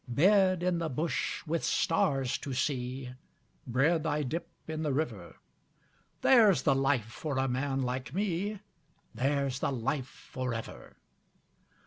Bed in the bush with stars to see, Bread I dip in the river There's the life for a man like me, There's the life for ever.